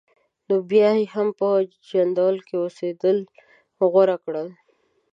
نو بیا یې هم په جندول کې اوسېدل غوره کړل.